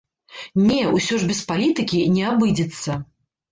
Не, усё ж без палітыкі не абыдзецца.